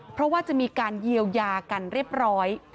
เพราะว่าจะมีการเยียวยากันเรียบร้อย